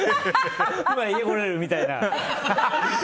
今、家来れる？みたいな。